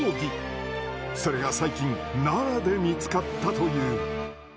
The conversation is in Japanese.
それが最近奈良で見つかったという。